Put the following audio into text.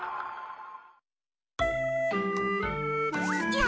や！